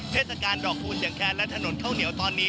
เทศกาลก๋อคภูเฉียงแคล่และถนนเข้าเหนียวตอนนี้